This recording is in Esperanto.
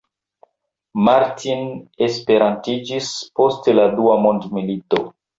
Martin esperantistiĝis post la dua mondmilito.